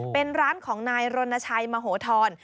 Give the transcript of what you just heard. เป็นร้านของนายรณชัยมโหธร